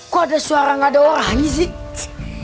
kok ada suara nggak ada orang sih